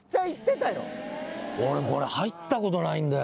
俺これ入ったことないんだよ